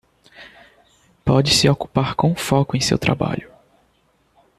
Pode-se ocupar com foco em seu trabalho.